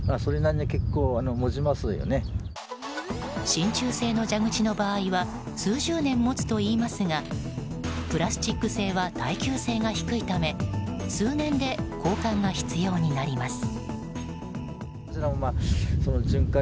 真鍮製の蛇口の場合は数十年もつといいますがプラスチック製は耐久性が低いため数年で交換が必要になります。